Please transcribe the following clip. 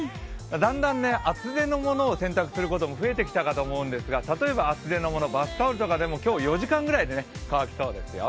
だんだん厚手のものを洗濯することも増えてきたと思いますが例えば厚手のもの、バスタオルでも４時間ぐらいで乾きそうですよ。